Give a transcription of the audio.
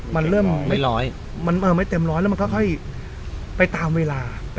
มันเริ่มไม่ร้อยมันไม่เต็มร้อยแล้วมันค่อยไปตามเวลา